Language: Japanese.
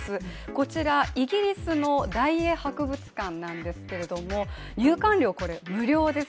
こちらイギリスの大英博物館なんですけども、入館料、無料です。